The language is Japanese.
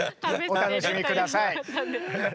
お楽しみ下さい。